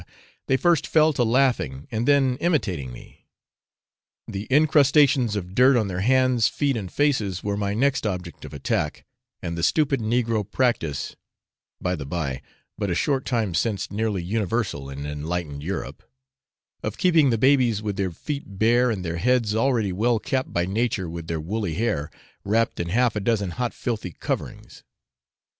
they first fell to laughing, and then imitating me. The encrustations of dirt on their hands, feet, and faces, were my next object of attack, and the stupid negro practice (by the bye, but a short time since nearly universal in enlightened Europe), of keeping the babies with their feet bare, and their heads, already well capped by nature with their woolly hair, wrapped in half a dozen hot filthy coverings.